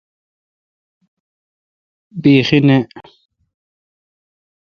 بیخی نہ۔